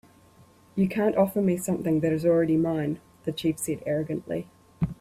"You can't offer me something that is already mine," the chief said, arrogantly.